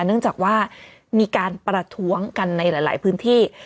เนื่องจากว่ามีการประท้วงกันในหลายพื้นที่